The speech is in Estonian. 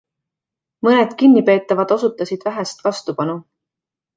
Mõned kinnipeetavad osutasid vähest vastupanu.